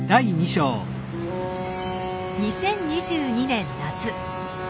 ２０２２年夏。